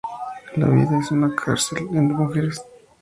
La vida en una cárcel de mujeres.